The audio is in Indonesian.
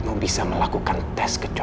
ini ibu tak bisa melakukan alamat ulasi begini